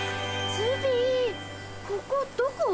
ズビーここどこ？